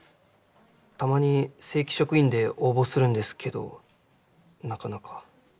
たまに正規職員で応募するんですけどなかなか。